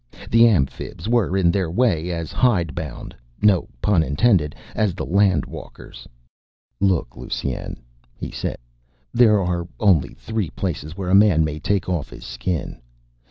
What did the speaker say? The Amphibs were, in their way, as hidebound no pun intended as the Land walkers. "Look, Lusine," he said, "there are only three places where a Man may take off his Skin.